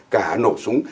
cả nổ súng